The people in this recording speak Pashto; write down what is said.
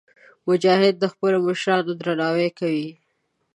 مجاهد د خپلو مشرانو درناوی کوي.